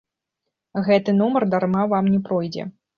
Гэты нумар дарма вам не пройдзе.